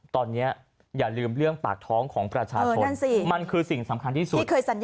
ตอนนี้อย่าลืมเรื่องปากท้องของประชาชนมันคือสิ่งสำคัญที่สุด